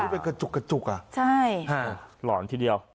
เป็นกระจุกอ่ะหลอนทีเดียว